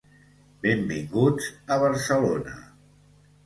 Benvinguts a Barcelona.